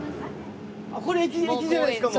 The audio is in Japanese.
あっこれ駅じゃないですか？